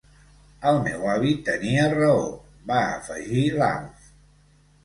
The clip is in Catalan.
El meu avi tenia raó —va afegir l'Alf.